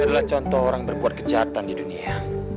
ini adalah contoh orang yang berbuat kejahatan di dunia